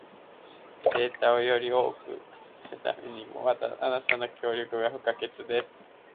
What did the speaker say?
データをより多く集めるためにも、あなたの協力が不可欠です。